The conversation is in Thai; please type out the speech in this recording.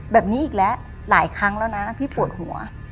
แบบนี้อีกแล้วหลายครั้งแล้วนะพี่ปวดหัว